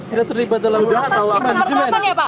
sudah terlibat dalam perlambatan ya pak